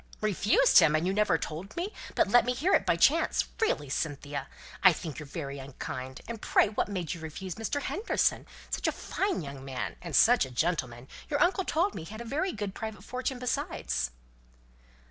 "Refused him and you never told me, but let me hear it by chance! Really, Cynthia, I think you're very unkind. And pray what made you refuse Mr. Henderson? Such a fine young man, and such a gentleman! Your uncle told me he had a very good private fortune besides."